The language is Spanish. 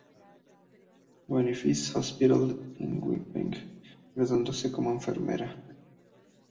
Boniface Hospital, en Winnipeg, graduándose como enfermera.